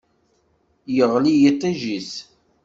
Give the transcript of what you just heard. Iɣli yiṭij-is.